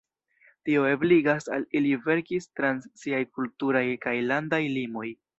Tio ebligas al ili verkis trans siaj kulturaj kaj landaj limoj.